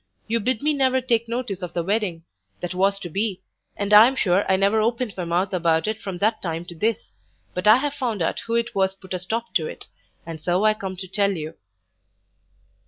You bid me never take notice of the wedding, that was to be, and I'm sure I never opened my mouth about it from that time to this; but I have found out who it was put a stop to it, and so I come to tell you."